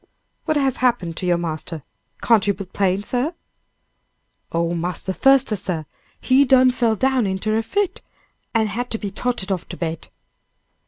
"What has happened to your master? Can't you be plain, sir?" "Oh, Marse Thuster, sir! he done fell down inter a fit, an had to be toted off to bed."